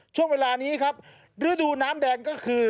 ช่วงเวลานี้ครับฤดูน้ำแดงก็คือ